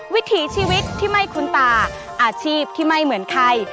วิถีชีวิตที่ไม่คุ้นตาอาชีพที่ไม่เหมือนใคร